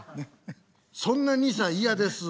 そんな２歳嫌です。